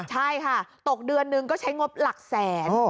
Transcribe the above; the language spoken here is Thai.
ใช่ค่ะตกเดือนหนึ่งก็ใช้งบหลักแสน